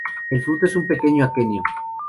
El fruto es un pequeño aquenio.